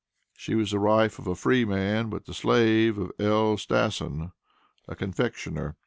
She was the wife of a free man, but the slave of L. Stasson, a confectioner.